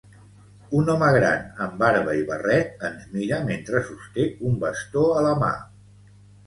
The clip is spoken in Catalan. Un home gran amb barba i barret ens mira mentre sosté un bastó a la mà